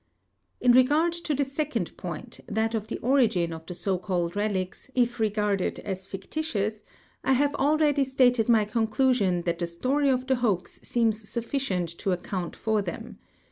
In regard to the second point, that of the origin of the so called relics, if regarded as fictitious, I have already stated my conclu sion that the story of the hoax seems sufficient to account for tliem.